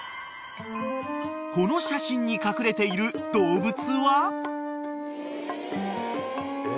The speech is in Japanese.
［この写真に隠れている動物は？］えっ？